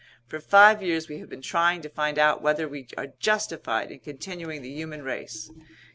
"For five years we have been trying to find out whether we are justified in continuing the human race.